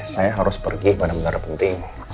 saya harus pergi benar benar penting